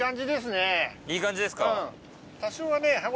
いい感じですか。